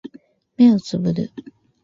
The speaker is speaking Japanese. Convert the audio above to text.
目をつぶる